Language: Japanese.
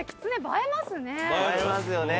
映えますよね。